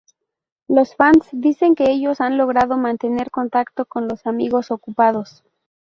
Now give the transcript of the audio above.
Los fans dicen que ellos han logrado mantener contacto con los amigos ocupados.